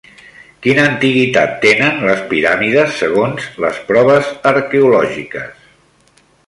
Quina antiguitat tenen les piràmides segons les proves arqueològiques?